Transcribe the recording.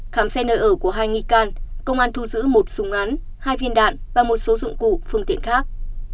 khám xét nơi ở của hai nghi can công an thu giữ một súng ngắn hai viên đạn và một số dụng cụ phương tiện khác